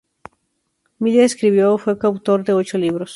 Miller escribió o fue coautor de ocho libros.